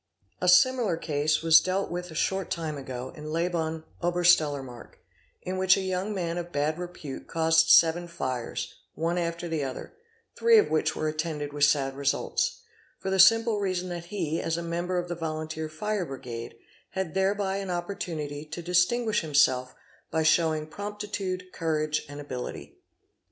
A similar case was dealt with a short time ago in Leoben (Oberstelermark) in which a young man of bad repute caused seven fires, one after the other, three of which were attended with sad results, for the simple reason that he, as a member of the Volunteer Fire Brigade, had thereby an opportunity to distinguish him self by showing promptitude, courage, and ability.